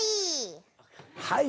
・はい。